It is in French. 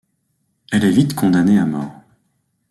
Elle est vite condamnée à mort.